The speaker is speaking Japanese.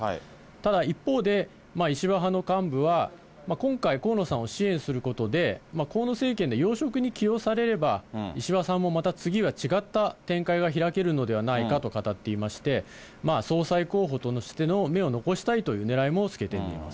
ただ一方で、石破派の幹部は今回、河野さんを支援することで、河野政権に要職に起用されれば、石破さんもまた次はまた違った展開が開けるのではないかと語っていまして、総裁候補としての目を残したいというねらいも透けて見えます。